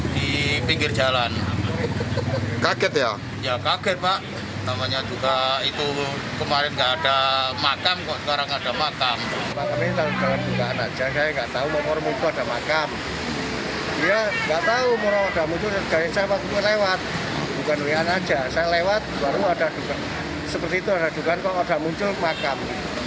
seperti itu ada juga kalau ada muncul makam